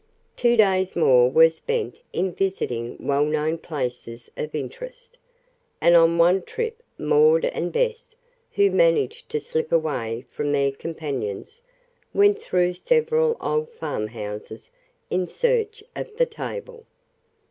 Two days more were spent in visiting well known places of interest, and on one trip Maud and Bess, who managed to slip away from their companions, went through several old farmhouses in search of the table.